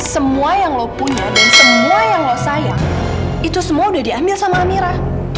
semua yang lo punya dan semua yang lo sayang itu semua udah diambil sama amira